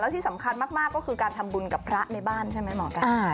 ที่สำคัญมากก็คือการทำบุญกับพระในบ้านใช่ไหมหมอไก่